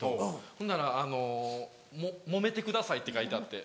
ほんなら「もめてください」って書いてあって。